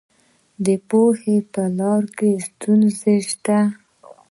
د پوهې په لاره کې ستونزې شته.